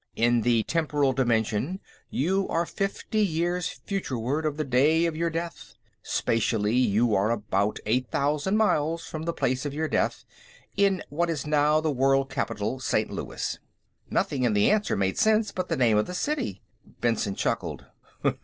In the temporal dimension, you are fifty years futureward of the day of your death; spatially, you are about eight thousand miles from the place of your death, in what is now the World Capitol, St. Louis." Nothing in the answer made sense but the name of the city. Benson chuckled.